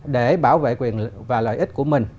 để bảo vệ quyền và lợi ích của mình